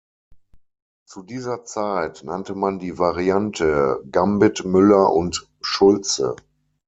Zu dieser Zeit nannte man die Variante "Gambit Müller und Schulze".